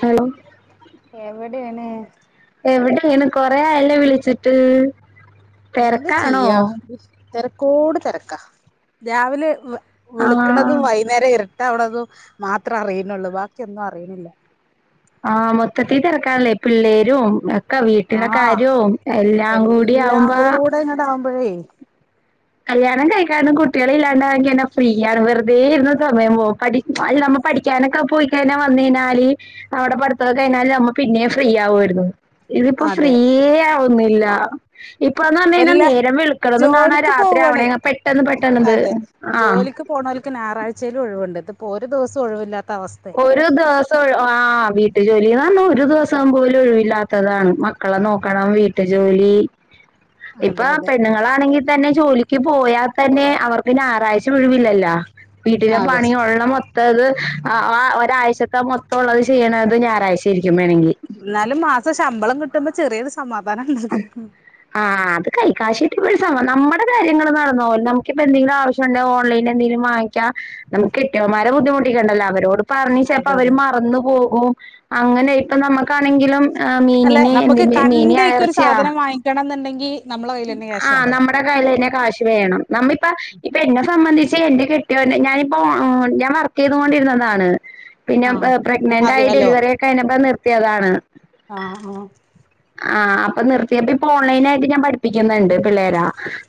Hello എവിടെയാണ് എവിടെയാണ് കൊറെ ആയല്ലോ വിളിച്ചിട്ട് എന്ത് തെരക്കാണോ ചെയ്യാ തിരക്കോട് തിരക്കാ രാവിലെ വെ വെളുക്കണ ആഹ് അതും വൈകുന്നരം ഇരുട്ട് അവ്ണതും മാത്രേ അറിയുന്നുള്ളൂ ബാക്കിയൊന്നും അറിയുന്നില്ല ആഹ് മൊത്തത്തീ തിരക്കാണ്ല്ലേ പിള്ളേരും എ ക്കെ വീട്ടില ആഹ് കാര്യവും എല്ലാം കൂടി ആവുമ്പോ ങ്ങട്ട് ആവുമ്പഴേ കല്യാണം കഴികാതിം കുട്ടികൾ ഇല്ലാണ്ടായേങ്കി തന്നെ ഫ്രീയാണ് വെറുതെ ഇരുന്ന് സമയം പോവും പ അത് നമ്മ പഠിക്കാനൊക്കെ പോയികയിഞ്ഞ വന്ന് കഴിഞ്ഞാല് അവിടെ പഠിത്തം ഒക്കെ കഴിഞ്ഞാല് നമ്മ പിന്നെ ഫ്രീ ആവുമായിരുന്നു ഇതിപ്പോ അതെ ഫ്രീയേ ആവുന്നില്ല ഇപ്പാന്ന് പറഞ്ഞു കഴിഞ്ഞാൽ എല്ലാ നേരം വെളുക്കുന്നതും കാണാ ജോലിക്ക് രാത്രി പോവാണേ ആവണേ പെട്ടന്ന് പെട്ടന്ന് ത് ആഹ്. പോണോല്ക്ക് ഞായറാഴ്ച ലു ഒഴിവുണ്ട് ഇത് ഇപ്പോൾ ഒരു ദിവസം ഒഴിവില്ലാത്ത അവസ്ഥ ഒരു ദിവസം ആഹ് വീട്ടു ജോലിന്ന്പറഞ്ഞാൽ ഒരു ദിവസം പോലും ഒഴിവില്ലാത്തതാണ് മ ക്കളെ നോക്കണം വീട്ടു ജോലി അതെ ഇപ്പൊ അതെ പെണ്ണുങ്ങളാണെങ്കിൽ തന്നെ ജോലിക്ക് പോയാൽ തന്നെ അവർക്ക് ഞായറാഴ്ച ഒഴിവില്ലല്ലോ വീട്ടിലെ അതെ പണി ഉള്ള മൊത്തത് ആ ഒരാഴ്ചത്തെ മൊത്തം ഉള്ളത് ചെയ്യണത് ഞായറാഴ്ചയിരിക്കും വേണെങ്കിൽ എന്നാലും മാസം ശമ്പളം കിട്ടുമ്പോ ചെറിയൊരു സമാധാനം ഉണ്ട് ആഹ് അത് കയ്യീ കാശ് കിട്ടിയപ്പോ ഒരു സമാധാ, നമ്മടെ കാര്യങ്ങള് നടന്ന് പോവും. നമ്ക്കിപ്പെന്തെങ്കിലും ആവശ്യ ണ്ടേ ഓൺലൈൻ എന്തെങ്കിലും വാങ്ങിക്കാ, നമുക്ക് കെട്ട്യോൻമാരെ ബുദ്ധിമുട്ടിക്കണ്ടല്ലോ. അവരോട് പറഞ്ഞ് ചെലപ്പോ അതെ അവര് അതെ മറന്നു പോകും. അങ്ങനെ ഇപ്പ നമുക്കാണെങ്കിലും മ്മ് ഈഹ് അല്ല മീനിന് നമുക്ക് എന്തിന് മീന് കണ്ടേക്ക് എറ ഒരു സാധനം വാങ്ങിക്കണംന്ന്ണ്ടെങ്കി നമ്മളെ കയ്യിലന്നെ ക്യാഷ് വേണ്ടേ? നമ്മടെയൊക്കെ കയ്യ്ല് തന്നെ കാശ് വേണം. നമ്മ ഇപ്പ, ഇപ്പ എന്നെ സംബന്ധിച്ച് എന്റെ കെട്ടിയവൻ ഞാനിപ്പോ, ഞാൻ വർക് ക്ക് ചെയ്തോണ്ടിര്ന്നതാണ്. പിന്നെ ആഹ് പ്രഗ്നന്റ് ആയി അറിയാലോ ഡെലിവറി ഒക്കെ കഴിഞ്ഞപ്പോ നിർത്തിയതാണ്. ആഹ് ആഹ്. ആഹ് അപ്പൊ നിർത്തിയപ്പ ഇപ്പൊ ഓൺലൈനായിട്ട് ഞാൻ പഠിപ്പിക്കുന്ന്ണ്ട് പിള്ളേര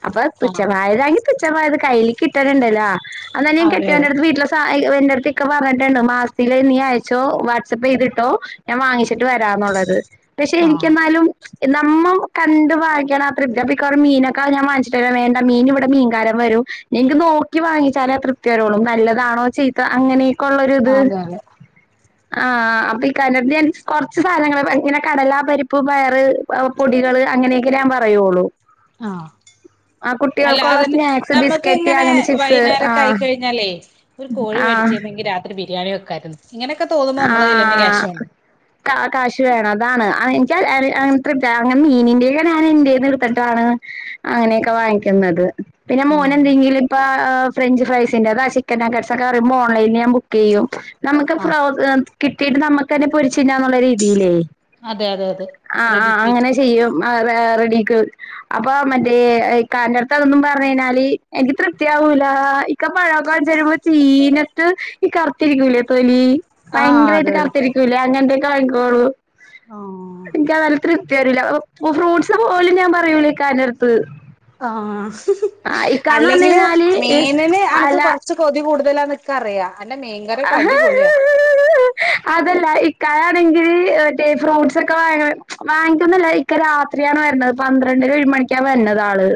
അപ്പൊ ആഹ് തുച്ഛമായത് ആണെങ്കി തുച്ഛമായത്, കയ്യില് കിട്ടണണ്ടല്ലോ. അതൊന്നുമല്ലേൽ ആഹ് അതെ അതെ കെട്ട്യോന്റെ അടുത്ത് വീട്ടിലെ സാ ആഹ് എന്റട്ത്ത് ഇക്ക പറഞ്ഞിട്ട്ണ്ട് മാസത്തില് നീ അയച്ചോ, വാട്സപ്പ് ചെയ്തിട്ടോ ഞാൻ വാങ്ങിച്ചിട്ട് വരാന്നുള്ളത്. പക്ഷെ ആഹ് എനിക്കെന്നാലും നമ്മ കണ്ട് വായിക്കണത്രേ. അപ്പ മിക്കവാറും മീനൊക്കെ ഞാൻ വാങ്ങിച്ചിട്ട് വരു, വേണ്ട മീൻ ഇവിടെ മീൻകാരൻ വരും എനിക്ക് നോക്കി വാങ്ങിച്ചാലെ തൃപ്തി വരൂള്ളൂ, നല്ലതാണോ ചീത്ത അങ്ങനെയെ ക്കൊള്ളരിത്. അതെ അതെ ആഹ് അപ്പ ഈ [unintelligible] കൊറച്ച് സാധനങ്ങള് ഇങ്ങനെ കടലാ പരിപ് പ്പ് പയറ് പൊടികള്, അങ്ങനെയൊക്കെ ഞാൻ പറയൂള്ളു. ആഹ്. അല്ല അതന്നെ. സ്നാക്സ്, നമുക്ക് ബിസ്ക്കറ്റ് ഇങ്ങനെ അങ്ങനെ ചിപ്സ് വൈന്നേരക്കെ ആഹ് ആയിക്കഴിഞ്ഞാലേ ഒരു കോഴി ആഹ് വേടിച്ചിരുന്നെങ്കിൽ രാത്രി ബിരിയാണി വെക്കായിരുന്നു. ഇങ്ങനെയൊക്കെ തോന്നുമ്പോ നമ്മളെ കയ്യിലന്നെ ആഹ് ക്യാഷ് വേണ്ടേ? കാശ് വേണം, അതാണ്. എനിക്ക് അങ്ങനെ മീനിന്റെക്കെ ഞാൻ എന്റേന്ന് എട്ത്തിട്ടാണ് അങ്ങനെയൊക്കെ വാങ്ങിക്കുന്നത്. പിന്നെ ആഹ് മോനെന്തെങ്കിലും ഇപ്പാ ഈഹ് ഫ്രഞ്ച് ഫ്രൈസിന്റെ കാശ് ചിക്കൻ നഗട്സ് ഒക്കെ പറയുമ്പോ ഓൺലൈനിൽ ഞാൻ ബുക്ക് ചെയ്യും. നമുക്ക് ആഹ് കിട്ടീട്ട് നമുക്ക് തന്നെ പൊരിച്ച് തിന്നാന്നുള്ള രീതീലെ. അതെ അതെ അതെ ആഹ് റെഡി ആഹ് ടു ഈറ്റ് അങ്ങനെ ചെയ്യും ആ റെഡിക്ക്. അപ്പൊ മറ്റേ ഇക്കാന്റട്ത്തതൊന്നും പറഞ്ഞ് കഴിഞ്ഞാല് എനിക്ക് തൃപ്തിയാവൂലാ. ഇക്ക പഴൊക്കെ വേടിച്ചു വരുമ്പോ ചീഞ്ഞ ട്ട് ഈ കറ്ത്തിരിക്കൂലേ തൊലി? ആഹ് ഭയങ്കരായിട്ട് അതെ അതെ കറ്ത്തിരിക്കൂലേ? അങ്ങനത്തെയൊക്കെ വാങ്ങിക്കൂളൂ. ആഹ് എനിക്കതയാലൊരു തൃപ്തി വരൂല. ഫ്രൂട്ട്സ് പോലും ഞാൻ പറയൂല ഇക്കാന്റട്ത്ത്. ആഹ് പറഞ്ഞു അല്ലെങ്കിലും കഴിഞ്ഞാല് മേനന് അനക്ക് അല കൊറച് ച്ച് കൊതി കൂടുതലാന്ന് ഇൻക്കറിയാ. അന്റെ മെയിൻ ആഹാ ആഹാ..... അതല്ല ഇക്കായാണെങ്കിൽ മറ്റേ ഫ്രൂട്ട്സ് ഒക്കെ വാങ്ങണെ വാങ്ങിക്കുന്നല്ല ഇക്ക രാത്രിയാണ് വരണത്. പന്ത്രണ്ട് ഒരു മണിക്കാണ് വര്ന്നത് ആള്.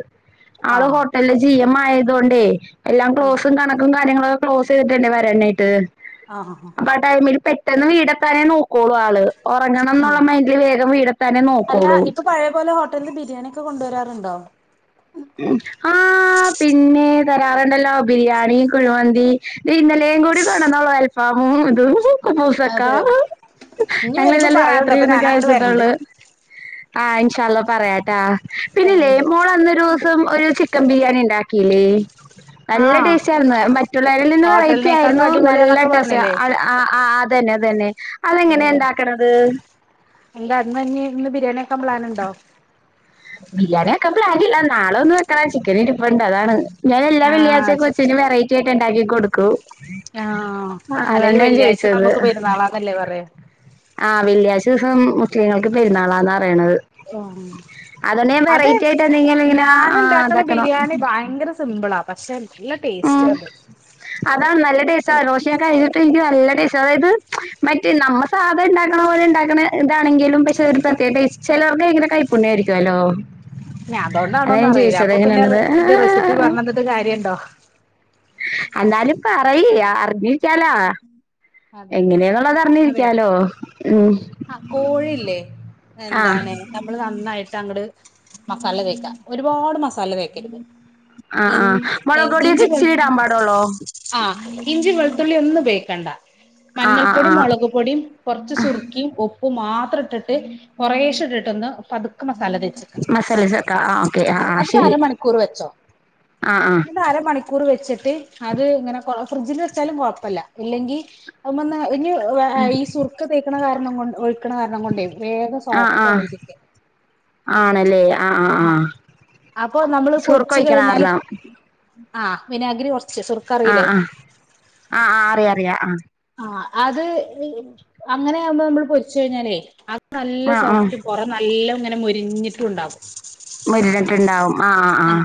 ആള് ആഹ് ഹോട്ടൽല് ജീ എം ആയതോണ്ടേ എല്ലാം ആഹ് ക്ലോസും കണക്കും കാര്യങ്ങളു ക്ലോസ് ചെയ്തിട്ട് വേണ്ടേ വരാനായിട്ട്. ആഹ് ഹ ആഹ്. അപ്പ ആ ടൈമില് പെട്ടെന്ന് വീടെത്താനെ നോക് ക്കോളൂ ആള്. ആഹ് ഒറങ്ങണംന്ന്ള്ള മൈന്റില് വേഗം വീടെത്താനെ അല്ല നോക്കൂളൂ. ഇപ്പൊ പഴയ പോലെ ഹോട്ടൽന്ന് ബിരിയാണിക് ക്കെ കൊണ്ട് വരാറ്ണ്ടോ? ആഹ് പിന്നെ തരാറ്ണ്ടല്ലോ, ബിരിയാണി കുഴമന്തി ഇന്നലേം കൂടി കൊണ്ടൊന്നോള്ളു അൽഫാമും ഇതും. പൂസക്കാ. അതെ ഇനി വരുമ്പോ ഞങ്ങളിന്നലെ പറയോണ്ടു രാത്രി അപ്പൊ ഇര്ന്ന് ഞാൻ അങ്ങോട്ട് വരണ്ട് കഴിച്ചിട്ടേള്ളു. ആഹ് ഇൻഷാ അല്ലാഹ് പറയാട്ടാ. പിന്നെല്ലേ മോളന്നൊരു ഒരു ചിക്കൻ ബിരിയാണി ഇണ്ടാക്കീല്ലേ? നല്ല ആഹ് ടേസ്റ്റാര്ന്ന്. മറ്റുള്ളവരിൽ നിന്ന് വെറൈറ്റി ഹോട്ടലിനേക്കാളും ആയിരുന്നു, നല്ല അടിപൊളിയാന്നൊക്കെ ടേസ്റ്റ്. പറഞ്ഞില്ലേ അത് അഹ് ആഹ് ആഹ് അതന്നെ അതന്നെ ഉം. അതെങ്ങനെയാ ഇണ്ടാക്കണത്? എന്ത അന്ന് തന്നെ. ഇന്ന് ബിരിയാണി ആക്കാൻ പ്ലാനുണ്ടോ? ബിരിയാണി വെക്കാൻ പ്ലാനില്ല. നാളെ ഒന്ന് വെക്കണ ചിക്കൻ ഇരിപ്പ്ണ്ട്, അതാണ്. ഞാ എല്ലാ ആഹ് വെള്ളിയാഴ്ച്ച ശ കൊച്ച്ന് വെറൈറ്റി ആയിട്ട് ണ്ടാക്കി കൊടുക്കും. ആഹ്. ആഹ് അല്ലേലും അതോണ്ടാ ഞാൻ വെള്ളിയാഴ്ച ചോയിച്ചത് നമുക്ക് പെരുന്നാളാന്നല്ലേ പറയാ ആഹ്. വെള്ളിയാഴ്ച്ചസം മുസ്ലിങ്ങൾക്ക് പെര്ന്നാളാന്നാ റയണത് ആഹ്. അതെ ആയിട്ട് എന്തെങ്കിലും ഇങ്ങനെ ആഹ് ഞന്ണ്ടാക്ക്ണ ഇതാക്കണം ബിരിയാണി ഭയങ്കര സിംമ്പ്ളാ പക്ഷെ നല്ല ടേസ്റ്റാന്ന് അതാൺ നല്ല ടേസ്റ്റായിരുന്നു. ഷെ കഴിഞ്ഞിട്ട് ൻക്ക് നല്ല ടേസ്റ്റ് അതായത് മറ്റേ നമ്മ സാധാണ്ടാക്ക്ണ പോലെ ണ്ടാക്ക്ണെ താണെങ്കിലും പക്ഷെ ഒരു പ്രത്യേക ടേസ്റ്റ. ചെലോർക്ക് വെയങ്കര കൈപ്പുണ്യ ആയിരിക്കുവല്ലോ. ഞാ അതോണ്ടാണോന്ന് അറിയില്ല. അപ്പൊ പിന്നെ റെ ഇത് റെസിപ്പി പർഞ്ഞെന്ന്ട്ട് കാര്യണ്ടോ? അല്ലാരുംപറയിയാ അർഞ്ഞിരിക്കാലാ അതെ അതെ എങ്ങനേന്നുള്ളത് അതെ അർഞ്ഞിരിക്കാലോ. ഉം ആഹ് കോഴില്ലേ ആഹ് എന്താണ് നമ്മള് നന്നായിട്ട് അങ്ങട് മസാല തേക്ക. ഒരുപാട് മസാല തേക്കരുത് ആഹ് ഇൻ ആഹ് നേ മൊളക് പൊടിയൊക്കെ ഇഞ്ചും, വെൾ ഇച്ചിരി ഇടാൻ പാടുള്ളോ ആഹ്. ഇഞ്ചിം, വെൾത്തുള്ളി ഒന്നും പയോഗിക്കണ്ട ആഹ് ആഹ് മഞ്ഞൾപ്പൊടിം, ആഹ് മൊളക് പൊടിം കൊർച്ച് സുർക്കിം, ഉപ് പ്പും മാത്രട്ട്ട്ട് കൊറേശെ ഇട്ട്ട്ട് ഒന്ന് പതുക്കെ മസാല തേ മസാല ചേർക്ക ആഹ് ആഹ് ഓക്കെ. ആഹ് ആഹ് ശരി. ആഹ് ആഹ് ത അരമണിക്കൂറ് വെച്ചിട്ട് അത് ങ്ങനെ കൊ ഫ്രിഡ്ജില് വെച്ചാലും കൊഴപ്പല്ല. ഇല്ലെങ്കി അവ്‌മന്ന് ഇഞ്ഞി വേ ഏ ഈ സുർക്ക തേക്ക്ണ കാരണം കൊണ്ട് ഒഴ്ക്ക്ണ കാരണം കൊണ്ടെ വേഗം ആ ആ സോഫ്റ്റാവും ചിക്കൻ ആണല്ലേ ആ ആ ആ ആഹ്. അപ്പൊ നമ്മള് സുർക്ക പൊര്ച്ച് ഒഴിക്കണം കഴിഞ്ഞാല് ആറെണ്ണം ആഹ്. വിനാഗ്രി കൊർ ആഹ് ആഹ്. ആഹ് ആഹ് അറിയാ റിയാ ആഹ് ആഹ്. അത് അങ്ങനെ ആവ്മ്പൊ മ്മള് പൊര്ച്ചെയ്ഞ്ഞാലേ അത് നല്ല ആ ആ സോഫ്റ്റ് പൊറ നല്ലം ങ്ങനെ മൊരിഞ്ഞിട്ടു ഉണ്ടാകും. മൊര്ഞ്ഞിട്ട്ണ്ടാവും ആഹ്.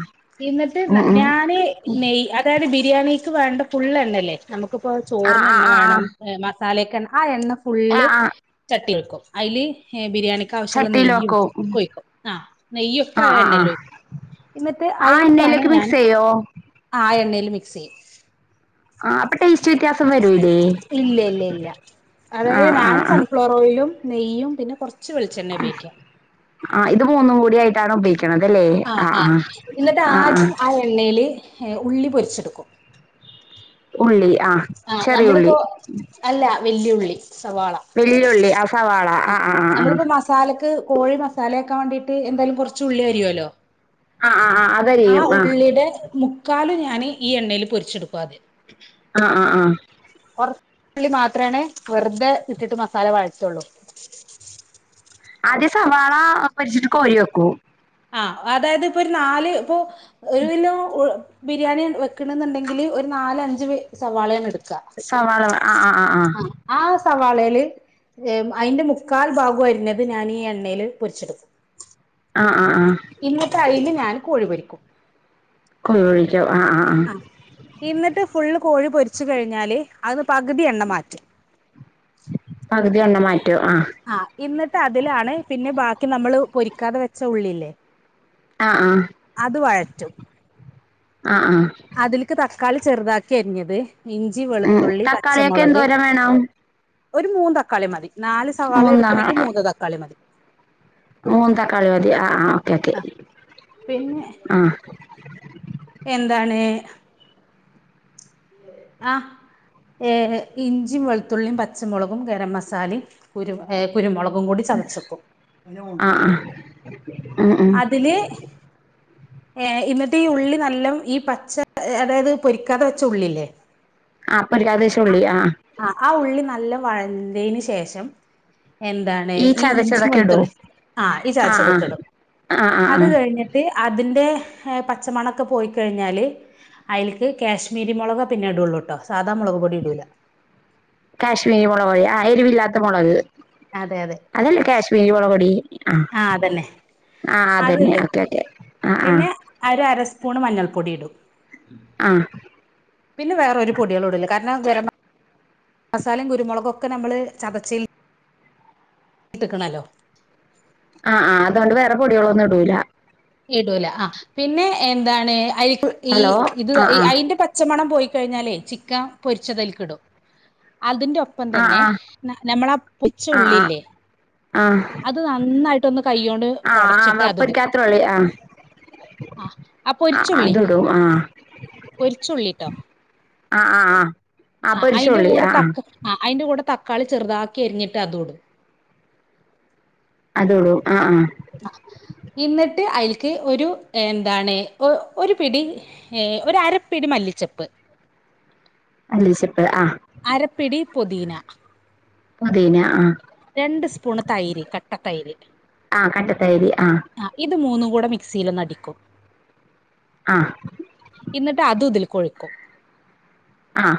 ഇന്ന്ട്ട് ന്ന ഞാന് നെയ്യ് തായത് ബിരിയാണിക്ക് വേണ്ട ഫുള്ളെണ്ണല്ലെ നമുക്ക്പ്പൊ ആ ചോറ്ന് ആ ണ്ണ ആ ആ വേണം. ഏ മസാലേക്ക് എണ്ണ ആ എണ്ണ ആ ഫുള്ള് ആ ചട്ടി വെക്കും. അയ്ല് ഏ ബിരിയാണി ക്കാവശ്യള്ള ചട്ടിയിൽ നെയ്യും വെക്കും ഒക്കൊ ഒഴിക്കും. ആഹ് നെയ്യൊക്കെ ആ എണ്ണേലൊയ്ക്കും ഇന്ന്ട്ട് ആ അയിലാണ് എണ്ണയിലേക്ക് ഞൻ മിക്സ് ചെയ്യോ ആഹ് ആ എണ്ണേല് മിക്സെയ്യും. ആഹ്. അപ്പ ടേസ്റ്റ് വ്യത്യാസം വരൂല്ലേ? ഇല്ല്യ ഇല്ല്യ ഇല്ല്യാ. അതായത് ആ ഞാന് ആ സൺഫ്ലോർ ഓയിലും, നെയ്യും പിന്നെ കൊർച്ച് ച്ചു വെൾച്ചെണ്ണേപയോക്യാ ആഹ് ഇത് മൂന്നും കൂടായിയിട്ടാണ് പയേ ക്ക്ണതല്ലേ ആഹ് ആഹ്. ന്ന്ട്ട് ആദ്യം ആ എണ്ണേല് ഏ ഉള്ളി പൊരിച്ചെട്ക്കും. ഉള്ളി ആഹ് ആഹ്. നമ്മള്പ്പോ അല്ല വല്യുള്ളി, സവാള വല്ല്യുള്ളി, ആഹ് സവാള. ആഹ് ആഹ് ആഹ് ആഹ് സാലക്ക് കോഴി മസാലേക്കാ വാണ്ടിട്ട് എന്തേലും കൊർച്ച് ഉള്ളി യരിയോല്ലോ ആഹ് ആഹ് ആഹ് ആ അതരിയും ആഹ് ഉള്ളിടെ മുക്കാലുംഞാന് ഈ എണ്ണേല് പൊര്ച്ചെട്ക്കു അദ്യം ആഹ് ആഹ് ആഹ് കൊർ ള്ളി മാത്രേണ് വെറ്തെ ഇട്ടിട്ട് മസാല വഴറ്റൊള്ളൂ ആദ്യം സവാള പൊര്ച്ചിട്ട് കോരി വെക്കും ആഹ് അതായത് പ്പൊര് നാല് പ്പൊ ഒര് വിലോ ഒ ബിരിയാണി വെക്ക്ണ് ന്ന്ണ്ടെങ്കില് ഒരു നാല, അഞ്ച് വെ സവാളേണ് ട് സവാള വെ ആഹ് ആഹ് ആഹ് ആഹ് ആ സവാളേല് ഏ അയിന്റെ മുക്കാൽ ഭാഗൊ അര്ഞ്ഞത് ഞാൻ ഈ എണ്ണേല് പൊരിച്ചെട്ക്കും. ആ ആ ആ ഇന്നത്തെ അയ്ൽ ഞാൻ കോഴി പൊരിക്കും [unintelligible] ആഹ് ആഹ് ആഹ് ആ എന്ന്ട്ട് ഫുള്ള് കോഴി പൊരിച്ചു കഴിഞ്ഞാല് അഹ് ന്ന് പകുതി എണ്ണ മാറ്റും പകുതിയെണ്ണം മാറ്റോ ആഹ് ആഹ് എന്നിട്ട് അതിലാണ് പിന്നെ ബാക്കി നമ്മള് പൊരിക്കാതെ വെച്ച ഉള്ളില്ലേ. ആ ആ അത് വഴറ്റും ആ ആഹ അതിലേക്ക് തക്കാളി ചെറുതാക്കി അരിഞ്ഞത് ഇഞ്ചി, ഉം വെളുത്തുള്ളി, തക്കാളിയൊക്കെ പച്ചമുളക്, എന്തോരം വേണം ഒരു മൂന്ന് തക്കാളി മതി നാല് സവാള മൂന്നാ എടുക്കണെങ്കി മൂന്ന തക്കാളി മതി. മൂന്ന് തക്കാളി മതി ആ ആ ഓക്കെ ഓക്കെ ആ പിന്നെ ആ എന്താണ് ആ ഏ ഇഞ്ചിയും വെളുത്തുള്ളിയും പച്ചമുളകും ഗരം മസാലയും കുരു കുരുമുളകും കൂടി ചതച്ചക്കും അങ്ങെണ്ട് ആ ആ ഏ ഇന്നട്ട് ഈ ഉള്ളി നല്ല ഈ പച്ച അതായത് പൊരിക്കാതെ വെച്ച ഉള്ളില്ലേ ആ പര്യാദേശംള്ളി ആ ആ ആ ഉള്ളി നല്ല വഴന്തതിന് ശേഷം എന്താണ് ഈ ഇഞ്ചി ചതച്ചതൊക്കെ ഇടോ വെളുത്തുള്ളി ആ ഈ ആഹ് ആഹ് ചതച്ചതൊക്കെ ഇടും ആഹ് ആഹ് അത് ആഹ് കഴിഞ് അതിന്റെ ഹ് പച്ചമണൊക്കെ പോയിക്കഴിഞ്ഞാല് അയ്ൽക്ക് കാശ്മീരി മൊളക പിന്നെ ഇടള്ളൂട്ടോ സാധാ മൊളക് പൊടി ഇടൂല കാശ്മീരി മുളക് ആഹ് എരിവില്ലാത്ത മുളക്. അതെ അതെ അതല്ലേ കാശ്മീരി മൊളപൊടി ആഹ് ആ അതന്നെ ആഹ് അത് അതന്നെ ഇടും ഓക്കെ ഒക്കെ പിന്നെ ഒരു അരസ്പൂണ് മഞ്ഞൾപ്പൊടി ഇടും. ആഹ് പിന്നെ വേറൊരു പൊടിയാളുടെ ഇല്ലെ കാരണം. മസാലം കുരുമുളകുകൊക്കെ നമ്മള് ചതച്ചിൽ കിട്ടക്കണല്ലോ. ആഹ് ആഹ് അതുകൊണ്ട് വേറെ പൊടികളൊന്നും ഇടുല്ലാ. ഇടൂല ആഹ് പിന്നെ എന്താണ് അയി ഈ ഹലോ ഇത് ആഹ് അതിന്റെ പ ചച്ചമണം പോയി കഴിഞ്ഞാലേ ചിക്ക പൊരിച്ചതിൽക്കിടും. അതിന്റെ ഒപ്പം ആഹ് തന്നെ ആഹ് നമ്മളാ കൊച്ച് ആഹ് ആഹ് ഉള്ളില്ലേ. ആഹ് അത് നന്നായിട്ടൊന്ന് കൈ്യോണ്ട് ആഹ് ഒടച്ചിട്ട് ആഹ് അതിടും. പൊരിക്കാത്തുള്ളി ആഹ് ആഹ് ആഹ് പൊരിച്ചുള്ളി അതിടും ആഹ് പൊരിച്ചുള്ളിട്ടോ. ആഹ് ആഹ് ആഹ് ആഹ് അയിന്റെ പൊരിച്ചോള്ളി കൂടെ ആഹ്. തക്ക ആഹ് അതിന്റെ കുടെ തക്കളി ചെറുതാക്കി അരിഞ്ഞിട്ട് അതൂടും. അതോള്ളൂ ആ ആ എന്നിട്ട് അൽക്ക് ഒരു എന്താണ് ഒരു പിടി ഏ ഒരു അരപ്പീടി മല്ലിച്ചപ്പ് മല്ലിച്ചപ്പ് ആ അരപ്പിടി പൊദീന പൊതീന ആഹ രണ്ട് സ്പൂണ് തൈര് കട്ട തൈര് ആ കട്ട തൈര് ആ ആ ഇത് മൂന്നും കൂടെ മിക്സിൽ ഒന്ന് അടിക്കും ആഹ എന്നിട്ട് അതും ഇതിൽ ഒഴിക്കും ആഹ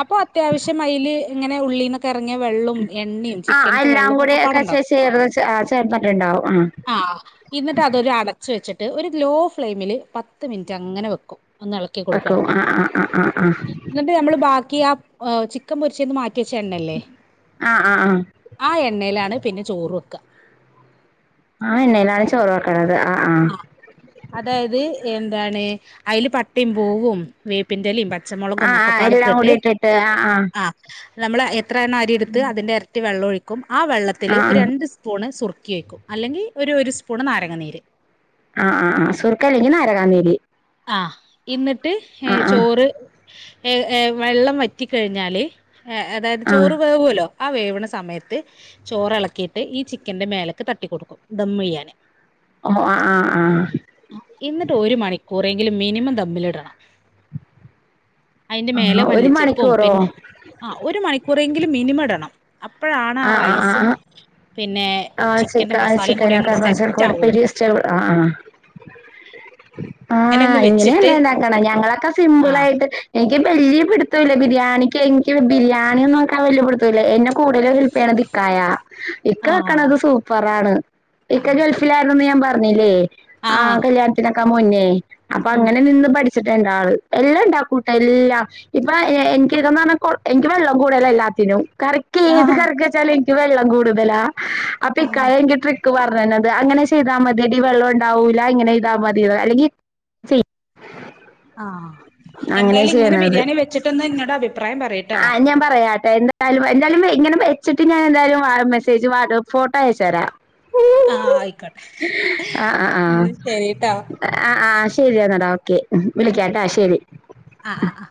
അപ്പൊ അത്യാവശ്യം അയില് ഇങ്ങനെ ഉള്ളന്ന് ഇറങ്ങിയ വെള്ളും എണ്ണയും ചിക്കനത്തെ വെള്ള ഒക്കെ പാടുണ്ടാവോ ചേർത് ചേർന്നട്ടണ്ടാവും ആ ആ എന്നിട്ട് അതൊരു അടച്ച വെച്ചിട്ട് ഒരു ലോ ഫ്ലെയിമില് പത്ത് മിനിറ്റ് അങ്ങനെ വെക്കും ഒന്ന് ഇളക്കി കൊടുക്ക വെക്കും ഇടക്കട ആഹ് ആഹ് ആഹ് ആഹ് നമ്മള് ബാക്കി ആ ചിക്കൻ പൊരിച്ചന്ന് മാറ്റി വെച്ച എണ്ണല്ലേ ആഹ് ആഹ് ആഹ് ആ എണ്ണയിലാണ് പിന്നെ ചോറ് വെക്കുക ആ എണ്ണയിലാണ് ചോറ് വയ്ക്കുന്നത് ആ ആ ആഹ് അതായത് എന്താണ് അതിൽ പട്ടയും പോവുംവും വേപ്പിൻറലയും പ ആ പച്ചമുളകും ആ ഒക്കെ എല്ലാം പടുത്തിട്ട് കൂടി ഇട്ടിട്ട് ആ ആ നമ്മള് എത്ര എണ്ണം അരി എടുത്ത് അതിന്റെ ഇരട്ടി വെള്ളം ഒഴിക്കും ആ ആ വെള്ളത്തില്ൽ ഒരു ആ രണ്ട് സ്പൂണ് സുറുക്കി വയ്ക്കും അല്ലെങ്കിൽ ഒരു ഒരു സ്പൂണ് നാരങ്ങനീര് ആ ആ ആ സുർക്കില്ലെങ്കിൽ നാരങ്ങാനീര് ആ ഇന്നിട്ട് ഏ ആ ചോറ് ഏഏ വെള്ളം വറ്റിക്കഴിഞ്ഞാല് ഏ അതായത് ആ ചോറ് വേവുമല്ലോ ആ വേവണ സമയത്ത് ചോറിളക്കിയിട്ട് ഈ ചിക്കന്റെ മേലേക്ക് തട്ടിിക്കൊടുക്കും ഇ ദം മിഴിയാാന് ആ ആ ആ എന്നിട്ട് ഒരു മണിക്കൂറെങ്കിലും മിനിമം തമ്മിലിടണം അതിന്റെ മേലെ ആ ഒരു മല്ലിച്ചപ്പും മണിക്കൂറോ പിന്നെ ആ ഒരു മണിക്കൂറെങ്കിലും മിനിമ ഇടണം അപ്പോഴാണ് ആ റൈസും പിന്നെ ആഹ ച ചിക്കന്റെ ആ മസാലയും കൂടി അങ്ങോട്ട് ചിക്കനൊക്കെച്ച സെറ്റ് കു ആവുള്ളൂ പരി ഇഷറ്റ ആ ആ അങ്ങനെ ആഹ് ഒന്ന് ഇങ്ങനെയല്ല വെച്ചിട്ട് ഇണ്ടാക്കണം ഞങ്ങളൊക്കെ ആ സിംപിൾ ആായിട്ട് എനിക്ക് വല്ിയ പിിത്തമില്ല ബിരിയാണിക്ക് എനിക്ക് ബിരിയാണിും നോക്കാൻ വല്ിയ പിിടുത്തം ഇല്ല എന്റെ കൂടുതൽ ഹെൽപ് ചെയ്യണത് കയാ ഇക്ക ആ വർക്കണത് സൂപ്പറണ്. ആ ഇക്ക ഗൾഫിലായിരിന്നെന്ന് ഞാൻ പറഞ്ഞില്ലേ? ആ ആഹ കല്യാൺ നക്കാ മുന്നേ അപ്പൊ ഉം അങ്ങനെ നിന്ന് പഠിച്ചിട്ട്ണ്ട്ആൾ എല്ലാണ്ടാകൂട്ട എല്ലാം ഇപ്പൊ എനികൊക്കേന്ന്ർഞ്ഞാ എനിക്ക് വെള്ളം കൂടെല്ലാം എല്ലാത്തിനും കറിക് ആ ഏത്കറിക് ചല്ക്കവെള്ളം കൂട്തല്ലാ അപ്പ ആ ഇകായിങിട്ട് ക് പറഞ്ഞനത്. അങ്ങനെ ചെയ്താൽ മതിയടി വെള്ളുണ്ടാവൂല. ഇങ്ങനെയ്താമതി അല്ലെങ്കിൽ [unintelligible] ആഹ അങ്ങനെ എന്തായാലും ഇങ്ങനെബിരിയാണി വെച്ചിട്ടന്ന് ഇന്നോട് അഭിപ്രാ ആഹ് ഞാൻ പറയാട്ടെ എന്താ ന്തയാലും എന്തായാലും വേ ഇങ്ങനെ വെച്ചിട്ട് ഞാന് എന്തായാലും വാ മെസ്സേജ് വട് ഫോട്ടോ അയച്ച് രാം ആഹ ആയിക്കോട്ടെ ഹ് ന്നശെരി ആഹആഹാ ശെരിയന്നടാ ഓക്കെ വിളിക്കാട്ടാ ശെരി ആഹ ആഹ ആഹാ